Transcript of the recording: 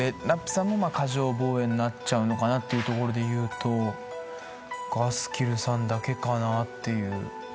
ラップさんも過剰防衛になっちゃうかなってところでいうとガスキルさんだけかなっていう。